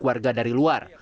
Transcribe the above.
dan dari luar